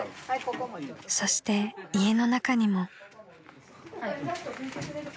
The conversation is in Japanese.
［そして家の中にも］